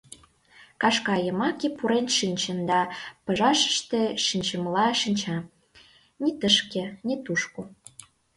Кашка йымаке пурен шинчын да пыжашыште шинчымыла шинча: ни тышке, ни тушко...